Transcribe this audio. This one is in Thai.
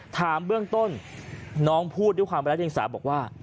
ถามเบื้องต้นน้องพูดด้วยความรักเรียงสาบอกว่า